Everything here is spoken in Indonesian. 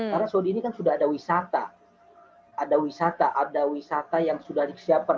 karena saudi ini kan sudah ada wisata ada wisata yang sudah dikesiapkan